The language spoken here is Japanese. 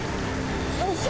よいしょ！